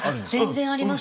全然あります。